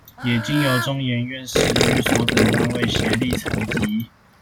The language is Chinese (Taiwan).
也經由中研院史語所等單位協力採集